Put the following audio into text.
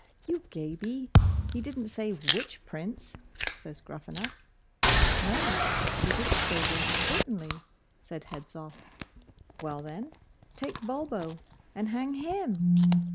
'You Gaby! he didn't say WHICH Prince,' says Gruffanuff. 'No; he didn't say which, certainly,' said Hedzoff. 'Well then, take Bulbo, and hang HIM!